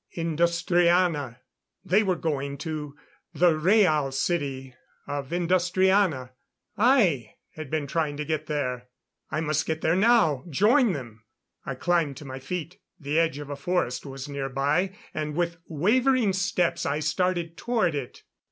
Industriana! They were going to the Rhaal City of Industriana. I had been trying to get there. I must get there now join them. I climbed to my feet; the edge of a forest was nearby and with wavering steps I started toward it.